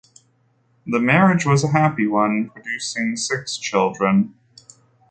The marriage was a happy one, producing six children.